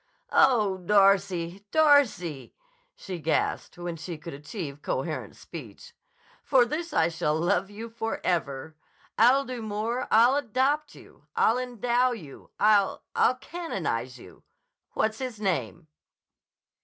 "Oh, Darcy! Darcy!" she gasped when she could achieve coherent speech. "For this I shall love you forever. I'll do more. I'll adopt you. I'll endow you. I'll—I'll canonize you. What's his name?"